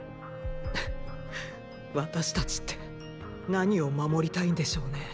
フ私たちって何を守りたいんでしょうね。